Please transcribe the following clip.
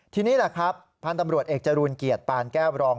ทีนี้แหละครับพันธุ์ตำรวจเอกจรูลเกียรติปานแก้วรอง